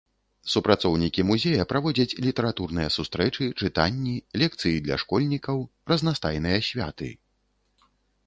Супрацоўнікі музея праводзяць літаратурныя сустрэчы, чытанні, лекцыі для школьнікаў, разнастайныя святы.